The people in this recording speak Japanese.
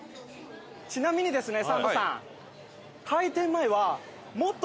ちなみにですねサンドさん。